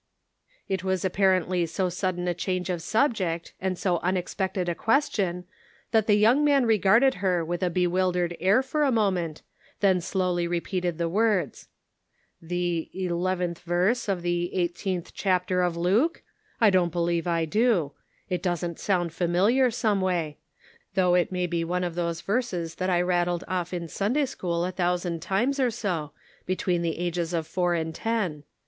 " It was apparently so sudden a change of subject and so unexpected a question that the young man regarded her with a bewildered air for a moment, then slowly repeated the words. 126 The Pocket Measure. " The eleventh verse of the eighteenth chapter of Luke ? I don't believe I do ; it doesn't sound familiar, some way ; though it may be one of those verses that I rattled off in Sunday school a thousand times or so, be tween the ages of four and ten.